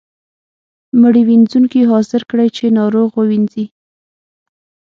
مړي وينځونکی حاضر کړئ چې ناروغ ووینځي.